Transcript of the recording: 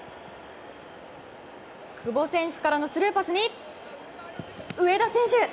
久保選手からのスルーパスに上田選手。